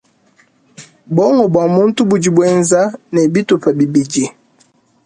Buongo bua muntu budi buenza ne bitupa bibidi.